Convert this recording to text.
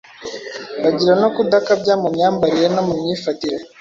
bagira no kudakabya mu myambarire no mu myifatire.